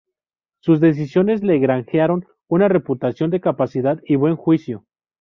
Sus decisiones le granjearon una reputación de capacidad y buen juicio.